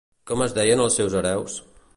Com es deien els seus hereus?